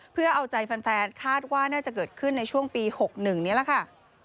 เพื่อเอาใจแฟนคาดว่าน่าจะเกิดขึ้นในช่วงปี๖๑นี้แหละค่ะ